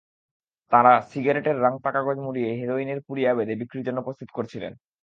তাঁরা সিগারেটের রাংতা কাগজ মুড়িয়ে হেরোইনের পুরিয়া বেঁধে বিক্রির জন্য প্রস্তুত করছিলেন।